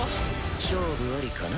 勝負ありかな。